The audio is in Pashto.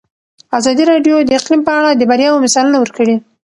ازادي راډیو د اقلیم په اړه د بریاوو مثالونه ورکړي.